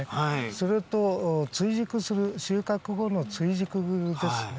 それと追熟する、収穫後の追熟ですね。